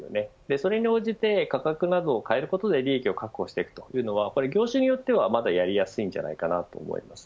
それに応じて、価格などを変えることで利益を確保していくというのは業種によっては、まだやりやすいんじゃないかと思います。